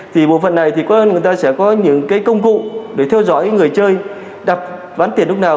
thì bộ phận này thì có lẽ người ta sẽ có những công cụ để theo dõi người chơi đập ván tiền lúc nào